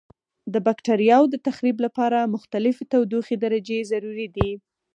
د بکټریاوو د تخریب لپاره مختلفې تودوخې درجې ضروري دي.